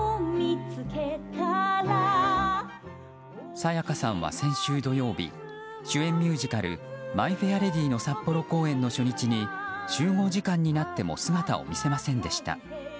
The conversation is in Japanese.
沙也加さんは先週土曜日主演ミュージカル「マイ・フェア・レディ」の札幌公演の初日に集合時間になっても姿を見せませんでした。